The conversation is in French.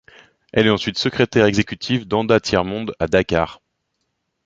Elle est ensuite secrétaire exécutive d’Enda-Tiers Monde à Dakar.